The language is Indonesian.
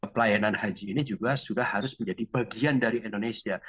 pelayanan haji ini juga sudah harus menjadi bagian dari indonesia